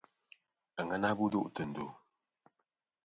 Àŋena bu duʼ tɨ̀ ndù.